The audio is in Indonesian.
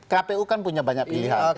kpu kan punya banyak pilihan